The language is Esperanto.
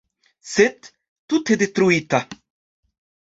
Sed, tute detruita.